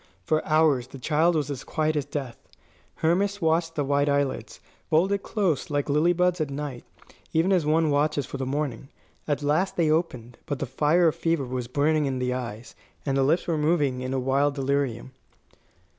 For hours the child was as quiet as death. Hermas watched the white eyelids, folded close like lily buds at night, even as one watches for the morning. At last they opened; but the fire of fever was burning in the eyes, and the lips were moving in a wild delirium.